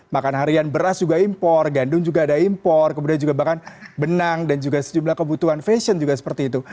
makan harian beras juga impor gandum juga ada impor kemudian juga bahkan benang dan juga sejumlah kebutuhan fashion juga seperti itu